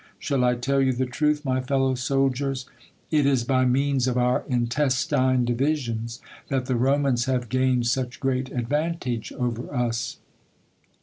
Shall I tell you the truth, my fellow soldiers ? It is by means of our intestine divisions, that the Ro jnans have gained such great advantage over us.